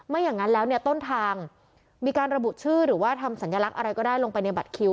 อย่างนั้นแล้วเนี่ยต้นทางมีการระบุชื่อหรือว่าทำสัญลักษณ์อะไรก็ได้ลงไปในบัตรคิว